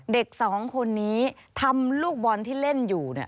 เด็กสองคนนี้ทำลูกบอลที่เล่นอยู่เนี่ย